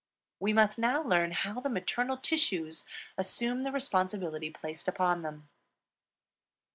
We must now learn how the maternal tissues assume the responsibility placed upon them.